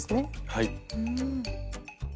はい。